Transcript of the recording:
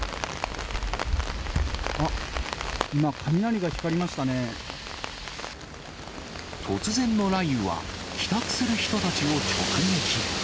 あっ、今、突然の雷雨は、帰宅する人たちを直撃。